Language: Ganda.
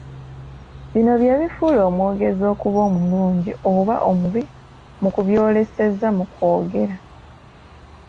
Bino bye bifuula omwogezi okuba omulungi oba omubi mu kubyoleseza mu kwogera .